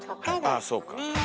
あっそうか。